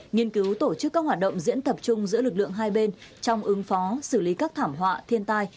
nghiên cứu tổ chức các hoạt động diễn tập chung giữa lực lượng hai bên trong ứng phó xử lý các thảm họa thiên tai